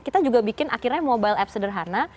kita juga bikin akhirnya mobile app sederhana